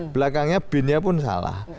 belakangnya bin nya pun salah